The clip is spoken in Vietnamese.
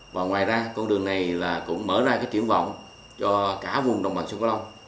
và ngoài ra con đường này là cũng mở ra cái triển vọng cho cả vùng đồng bằng sông cổ long